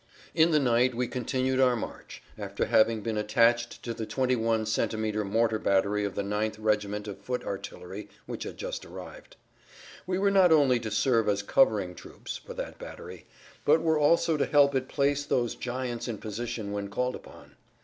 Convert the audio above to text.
In the night we continued our march, after having been attached to the 21 centimeter mortar battery of the 9th Regiment of Foot Artillery which had just arrived; we were not only to serve as covering troops for that battery, but were also to help it place those giants in position when called upon.